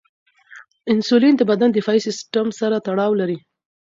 انسولین د بدن دفاعي سیستم سره تړاو لري.